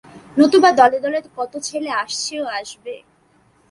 নতুবা দলে দলে কত ছেলে আসছে ও আসবে।